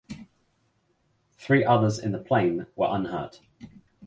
Three others in the plane were unhurt.